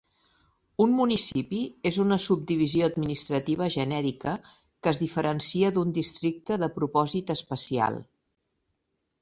Un municipi és una subdivisió administrativa genèrica, que es diferencia d'un districte de propòsit especial.